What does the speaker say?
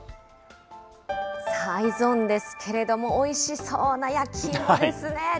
さあＥｙｅｓｏｎですけれども、おいしそうな焼き芋ですね。